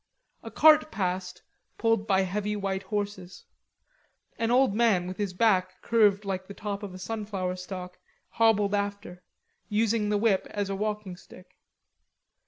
A cart passed, pulled by heavy white horses; an old man with his back curved like the top of a sunflower stalk hobbled after, using the whip as a walking stick.